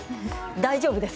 大丈夫です。